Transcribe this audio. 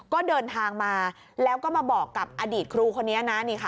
ก็เดินทางมาแล้วก็มาบอกกับอดีตครูคนนี้นะ